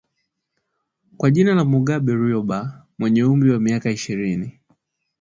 kwa jina la Mugabe Ryoba mwenye umri wa miaka ishirini